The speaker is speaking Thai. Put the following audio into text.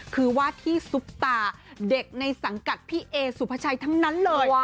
คือว่าที่ซุปตาเด็กในสังกัดพี่เอสุภาชัยทั้งนั้นเลย